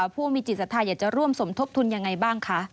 ผู้มีจิตสาธารณ์อยากจะร่วมสมทบทุนอย่างไรบ้างคะ